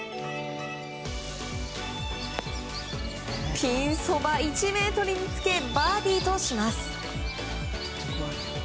ピンそば１ｍにつけバーディーとします。